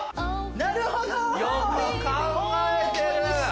なるほど。